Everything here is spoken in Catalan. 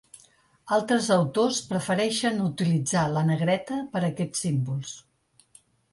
Altres autors prefereixen utilitzar la negreta per a aquests símbols.